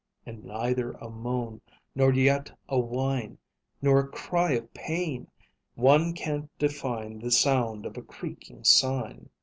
And neither a moan nor yet a whine, Nor a cry of pain one can't define The sound of a creaking sign.